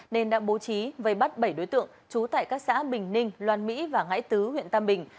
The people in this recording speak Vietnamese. nên đã bố trí vây bắt bảy đối tượng trú tại các xã bình ninh loan mỹ và ngãi tứ huyện tam bình